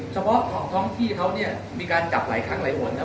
เฉพาะของท้องที่เขาเนี่ยมีการจับหลายครั้งหลายหนนะ